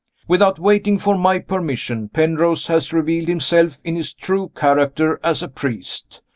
Without waiting for my permission, Penrose has revealed himself in his true character as a priest.